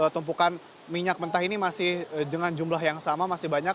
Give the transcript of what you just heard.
tumpukan minyak mentah ini masih dengan jumlah yang sama masih banyak